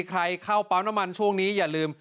เข้าปั๊มน้ำมันช่วงนี้อย่าลืม